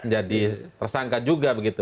jadi tersangka juga begitu